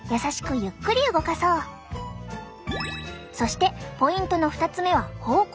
そしてポイントの２つ目は方向。